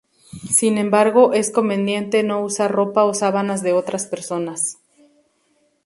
Sin embargo, es conveniente no usar ropa o sábanas de otras personas.